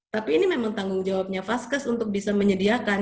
tapi ini memang tanggung jawabnya vaskes untuk bisa menyediakan